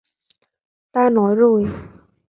ta nói rồi